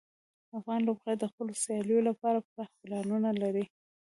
افغان لوبغاړي د خپلو سیالیو لپاره پراخ پلانونه لري.